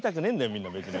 みんな別に。